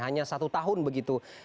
hanya satu tahun begitu